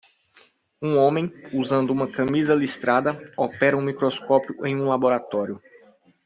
Um homem? usando uma camisa listrada? opera um microscópio em um laboratório.